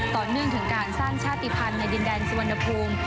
ต่อเนื่องถึงการสร้างชาติภัณฑ์ในดินแดนสุวรรณภูมิ